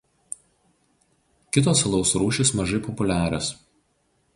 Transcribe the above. Kitos alaus rūšys mažai populiarios.